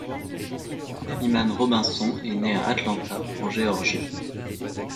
Chanel Iman Robinson est née à Atlanta, en Géorgie.